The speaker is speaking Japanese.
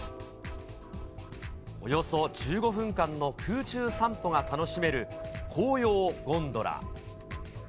およそ１５分間の空中散歩が楽しめる、紅葉ゴンドラ。